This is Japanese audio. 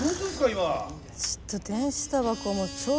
今。